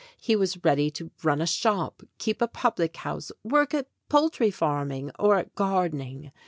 He was ready to run a shop, keep a public house, work at poultry farming, or at gardening.